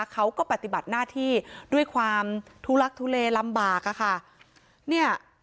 เขาก็ปฏิบัติหน้าที่ด้วยความทุลักทุเลลำบากอะค่ะเนี่ย